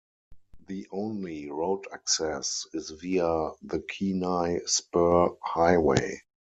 The only road access is via the Kenai Spur Highway.